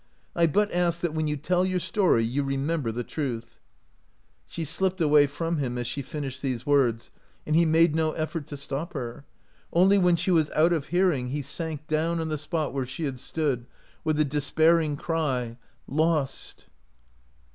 I but ask that when you tell your story, you remember the truth." She slipped away from him as she finished these words, and he made no effort to stop her. Only when she was out of hearing he 148 OUT OF BOHEMIA sank down on the spot where she had stood, with the despairing cry, " Lost!